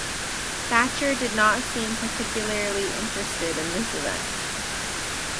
Thatcher did not seem particularly interested in this event.